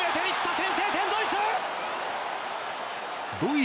先制点はドイツ！